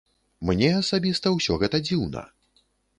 Мне асабіста ўсё гэта дзіўна.